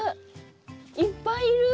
いっぱいいる。